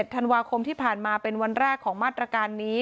ธันวาคมที่ผ่านมาเป็นวันแรกของมาตรการนี้